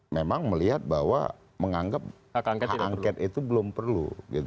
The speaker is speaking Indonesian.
memang melihat bahwa menganggap hak angket itu belum perlu